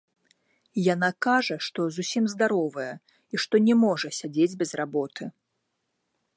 Яна кажа, што зусім здаровая і што не можа сядзець без работы.